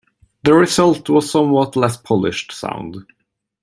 The result was a somewhat less polished sound.